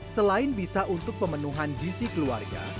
selain bisa untuk pemenuhan gizi keluarga